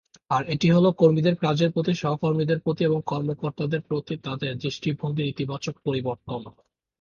আর এটি হলো কর্মীদের কাজের প্রতি, সহকর্মীদের প্রতি এবং কর্মকর্তাদের প্রতি তাদের দৃষ্টিভঙ্গির ইতিবাচক পরিবর্তন।